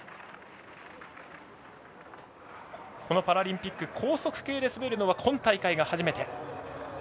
パラリンピック高速系で滑るのは今大会が初めて。